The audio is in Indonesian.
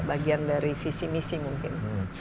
bagian dari visi misi mungkin